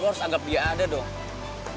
gue harus anggap dia ada dong